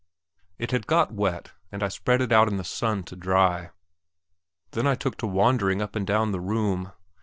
It had got wet, and I spread it out in the sun to dry; then I took to wandering up and down the room.